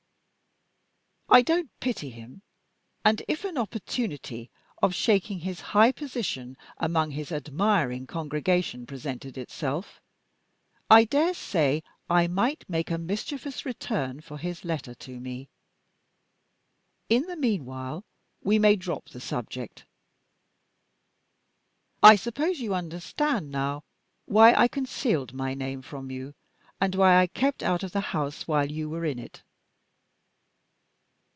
I don't pity him and if an opportunity of shaking his high position among his admiring congregation presented itself, I daresay I might make a mischievous return for his letter to me. In the meanwhile, we may drop the subject. I suppose you understand, now, why I concealed my name from you, and why I kept out of the house while you were in it."